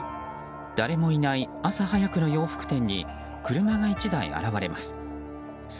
誰もいない朝早くの洋服店に車が１台、現れます。